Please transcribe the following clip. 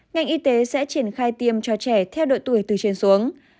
ngành y tế sẽ triển khai tiêm cho trẻ theo độ tuổi từ trên xuống